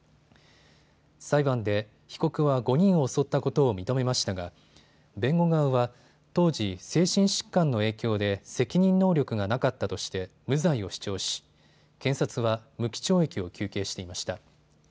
裁判で被告は５人を襲ったことを認めましたが弁護側は当時、精神疾患の影響で責任能力がなかったとして無罪を主張し検察は無期懲役を求刑していました。